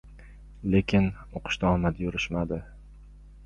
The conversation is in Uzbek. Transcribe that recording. Lekin oʻqishda omadi yurishmadi.